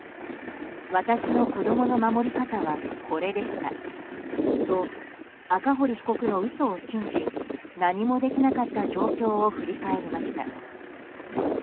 私の子供の守り方はこれでしたと赤堀被告の嘘を信じ何もできなかった状況を振り返りました。